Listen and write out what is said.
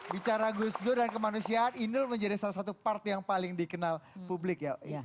bicara gus dur dan kemanusiaan inul menjadi salah satu part yang paling dikenal publik ya